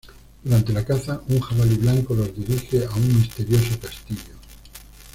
Durante la caza, un jabalí blanco los dirige a un misterioso castillo.